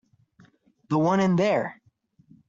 The one in there.